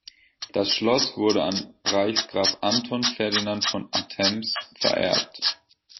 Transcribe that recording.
Das Schloss wurde an Reichsgraf Anton Ferdinand von Attems vererbt.